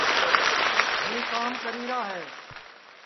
ہوں کام کریرا ہے